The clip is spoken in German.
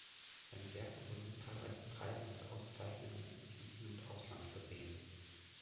Seine Werke wurden mit zahlreichen Preisen und Auszeichnungen im In- und Ausland versehen.